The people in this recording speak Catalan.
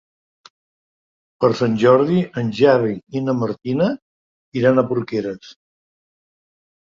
Per Sant Jordi en Xavi i na Martina iran a Porqueres.